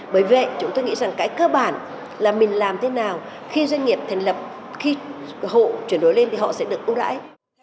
bởi vậy chúng tôi nghĩ rằng cái cơ bản là mình làm thế nào khi doanh nghiệp thành lập khi hộ chuyển đổi lên thì họ sẽ được ưu đãi